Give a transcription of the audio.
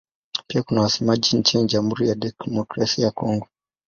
Pia kuna wasemaji nchini Jamhuri ya Kidemokrasia ya Kongo.